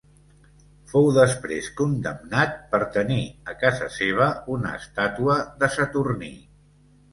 Fou després condemnat per tenir a casa seva una estàtua de Saturní.